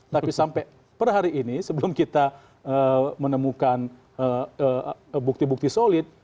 tapi sampai per hari ini sebelum kita menemukan bukti bukti solid